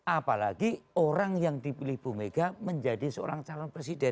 apalagi orang yang dipilih bumega menjadi seorang calon presiden